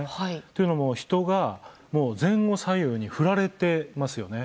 というのも、人が前後左右に振られていますよね。